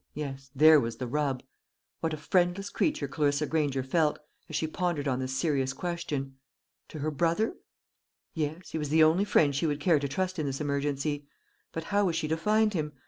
yes, there was the rub. What a friendless creature Clarissa Granger felt, as she pondered on this serious question! To her brother? Yes, he was the only friend she would care to trust in this emergency. But how was she to find him?